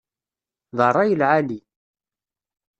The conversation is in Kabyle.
D rray n lεali.